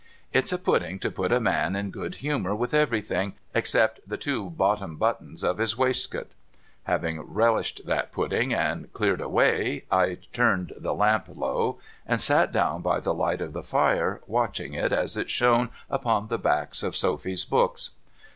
It's a pudding to put a man in good humour with everything, except the two bottom buttons of his waistcoat. Having relished that pudding and cleared away, I 4T2 DOCTOR MARIGOLD turned the lamp low, and sat down by the light of the fire, watching it as it shone upon the backs of Sophy's books.